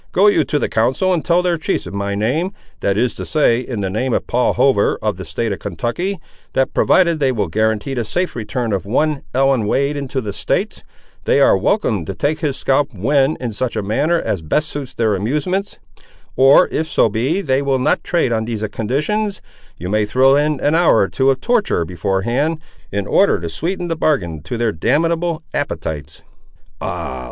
Go you to the council, and tell their chiefs in my name, that is to say, in the name of Paul Hover, of the state of Kentucky, that provided they will guarantee the safe return of one Ellen Wade into the States, they are welcome to take his scalp when and in such manner as best suits their amusements; or, if so be they will not trade on these conditions, you may throw in an hour or two of torture before hand, in order to sweeten the bargain to their damnable appetites." "Ah!